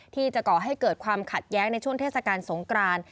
ที่จะก่อให้เกิดความขัดแย้งในช่วงเทศกาลสงกราน